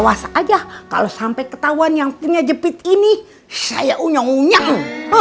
biasa aja kalau sampai ketahuan yang punya jepit ini saya unyong unyong